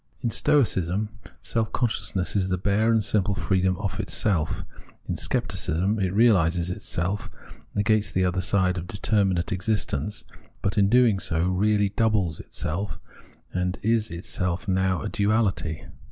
In Stoicism, self consciousness is the bare and simple freedom of itself. In Scepticism, it reaUses itself, negates the other side of determinate existence, but, in so doing, really doubles itself, and is itself now a duaUty.